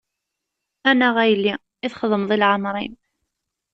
A naɣ a yelli, i txedmeḍ i leɛmer-im.